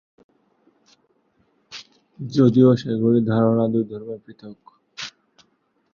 যদিও সেগুলির ধারণা দুই ধর্মে পৃথক।